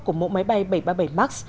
của mẫu máy bay bảy trăm ba mươi bảy max